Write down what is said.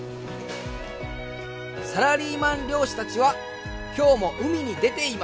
サラリーマン漁師たちは今日も海に出ています。